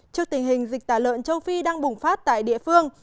trước tình hình dịch tả lợn châu phi đang bùng phát tại địa phương